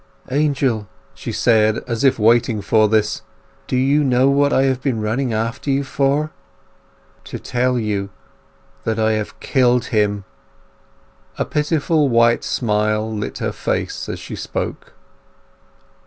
"Angel," she said, as if waiting for this, "do you know what I have been running after you for? To tell you that I have killed him!" A pitiful white smile lit her face as she spoke.